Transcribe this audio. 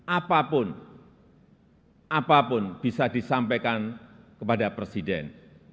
apapun apapun bisa disampaikan kepada presiden